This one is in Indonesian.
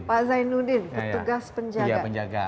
pak zainuddin petugas penjaga